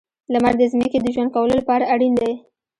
• لمر د ځمکې د ژوند کولو لپاره اړین دی.